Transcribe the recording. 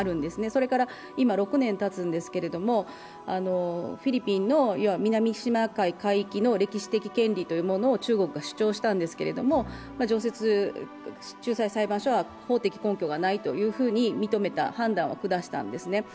それから今６年たつんですけれどもフィリピンの南シナ海海域の歴史的権利というものを中国が主張したんですけれども、常設仲裁裁判所は、法的根拠がないと判断を下したんですね。